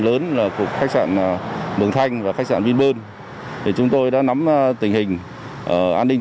lớn là cục khách sạn mường thanh và khách sạn vinberl thì chúng tôi đã nắm tình hình an ninh